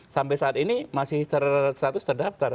sampai saat ini masih status terdaftar